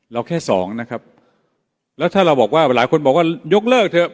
แค่สองนะครับแล้วถ้าเราบอกว่าหลายคนบอกว่ายกเลิกเถอะ